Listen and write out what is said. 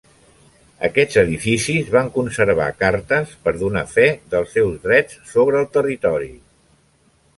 Aquests edificis van conservar cartes per donar fe dels seus drets sobre el territori.